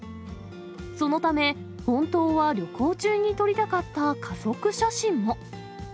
そのため、本当は旅行中に撮りたかった家族写真も。